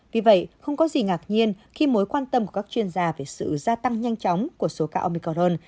vì vậy không có gì ngạc nhiên khi mối quan tâm của các chuyên gia về sự gia tăng nhanh chóng của số ca omicorn